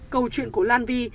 câu chuyện của lan vy